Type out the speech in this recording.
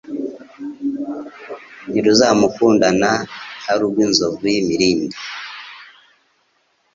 Ntiruzamurundukana, Ari uw' Inzovu y' imirindi